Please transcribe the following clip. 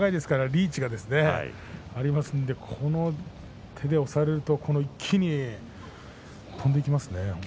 技術がありますのでこの手で押されると一気に飛んでいきますね。